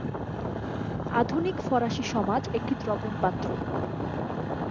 আধুনিক ফরাসি সমাজ একটি দ্রবণ পাত্র।